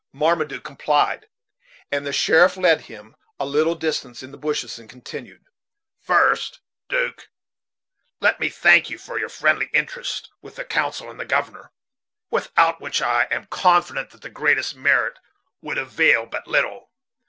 Marmaduke complied, and the sheriff led him to a little distance in the bushes, and continued: "First, 'Duke, let me thank you for your friendly interest with the Council and the Governor, without which I am confident that the greatest merit would avail but little.